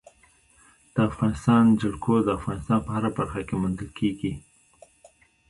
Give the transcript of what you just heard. د افغانستان جلکو د افغانستان په هره برخه کې موندل کېږي.